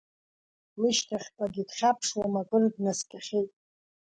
Лышьҭахьҟагьы дхьаԥшуам, акыр днаскьахьеит.